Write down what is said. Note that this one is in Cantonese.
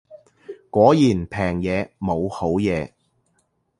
果然平嘢冇好嘢